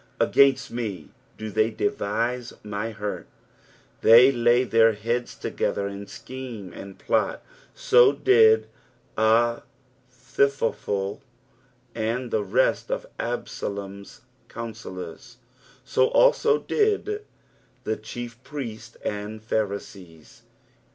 " Againut ■M do they devite my hurt." They lay their lieads together, and scheme aud plot. 80 did Ahitliophel and the rest of Absalom's counsellors, so also did the chief priests and Pharisees.